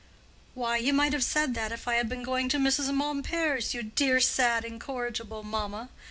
"Why, you might have said that, if I had been going to Mrs. Mompert's, you dear, sad, incorrigible mamma!"